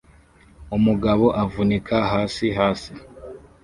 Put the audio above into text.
umugabo avunika hasi hasi